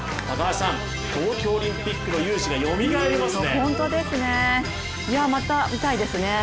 高橋さん、東京オリンピックの雄姿がよみがえりますね。